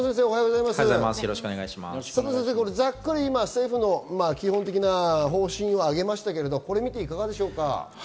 ざっくり、政府の基本的な方針あげましたが、これを見ていかがですか？